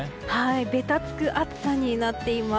べたつく暑さになっています。